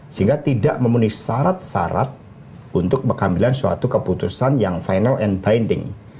sehingga tidak memenuhi syarat syarat untuk mengambil suatu keputusan yang final and binding